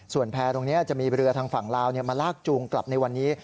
ส่วนแพร่ตรงนี้จะมีเรือทางฝั่งลาวมาลากจูงกลับในวันนี้